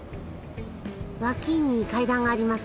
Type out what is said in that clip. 脇に階段があります。